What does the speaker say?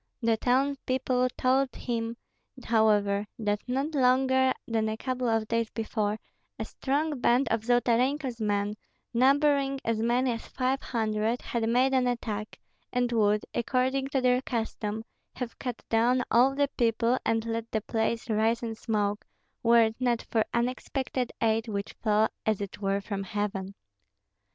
The townspeople told him, however, that not longer than a couple of days before, a strong band of Zolotarenko's men, numbering as many as five hundred, had made an attack, and would, according to their custom, have cut down all the people, and let the place rise in smoke, were it not for unexpected aid which fell as it were from heaven.